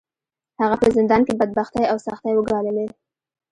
هغه په زندان کې بدبختۍ او سختۍ وګاللې.